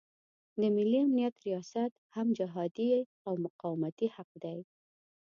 د ملي امنیت ریاست هم جهادي او مقاومتي حق دی.